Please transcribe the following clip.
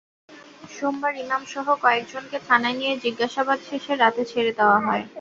সোমবার ইমামসহ কয়েকজনকে থানায় নিয়ে জিজ্ঞাসাবাদ শেষে রাতে ছেড়ে দেওয়া হয়।